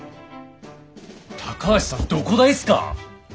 高橋さんどこ大っすか？